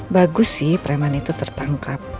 bagus sih preman itu tertangkap